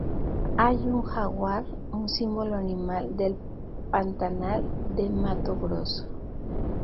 Hay un jaguar, un símbolo animal del Pantanal de Mato Grosso.